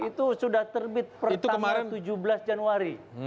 itu sudah terbit pertama tujuh belas januari